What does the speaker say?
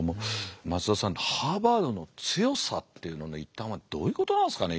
松田さんハーバードの強さっていうのの一端はどういうことなんですかね